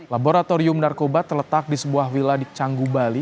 laboratorium narkoba terletak di sebuah wilayah di canggu bali